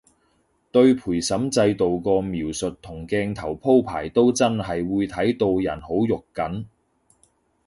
對陪審制度個描述同鏡頭鋪排都真係會睇到人好肉緊